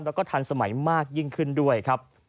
แล้วก็ทันสมัยมากยิ่งขึ้นด้วยครับ